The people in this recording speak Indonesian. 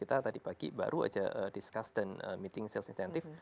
kita tadi pagi baru saja discuss dan meeting sales incentive